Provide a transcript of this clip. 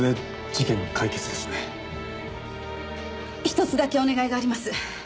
ひとつだけお願いがあります。